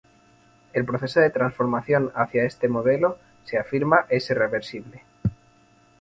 El proceso de transformación hacia este modelo –se afirma– es irreversible.